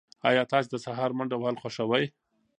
ایا تاسي د سهار منډه وهل خوښوئ؟